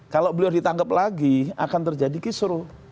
kalau beliau ditangkep lagi akan terjadi kisur